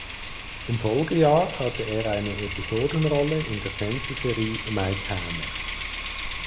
Im Folgejahr hatte er eine Episodenrolle in der Fernsehserie "Mike Hammer".